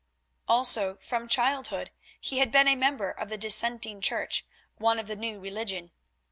Also from childhood he had been a member of the dissenting Church, one of the New Religion.